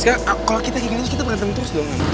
sekarang kalau kita jadi terus kita berantem terus dong